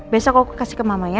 besok aku kasih ke mama ya